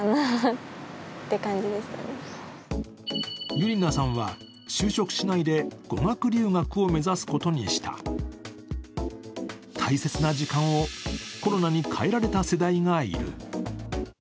ゆりなさんは、就職しないで語学留学を目指すことにした。大切な時間をコロナに変えられた世代がいる。